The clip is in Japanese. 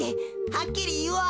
はっきりいおう。